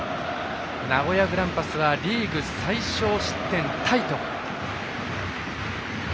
名古屋グランパスはリーグ最少失点タイ。